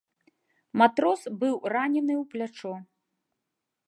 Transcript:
Матрос быў ранены ў плячо.